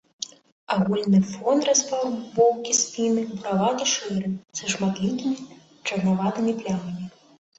Агульны тон афарбоўкі спіны буравата-шэры, са шматлікімі чарнаватымі плямамі.